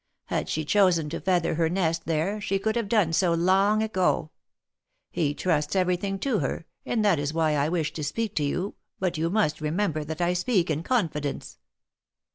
Had she chosen to feather her nest there, she could have done so long ago. He trusts everything to her, and that is why I wish to speak to you, but you must remember that I speak in confidence."